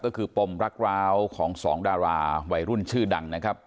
ก็คือปมรักร้าวของสองดาราวัยรุ่นชื่อดังนะครับ